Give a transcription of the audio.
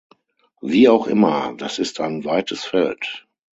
Wie auch immer, das ist ein weites Feld.